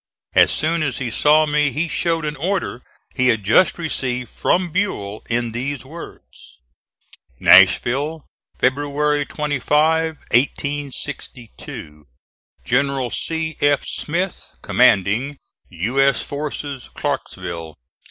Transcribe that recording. As soon as he saw me he showed an order he had just received from Buell in these words: NASHVILLE, February 25, 1862. GENERAL C. F. SMITH, Commanding U. S. Forces, Clarksville.